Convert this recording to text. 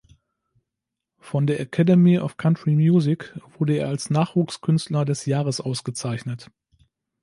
Von der Academy of Country Music wurde er als „Nachwuchskünstler des Jahres“ ausgezeichnet.